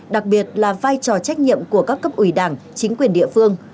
đặc biệt là vai trò trách nhiệm của các cấp ủy đảng chính quyền địa phương